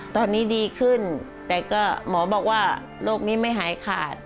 ตอนนี้ดีขึ้นแต่ก็หมอบอกว่าโรคนี้ไม่หายขาด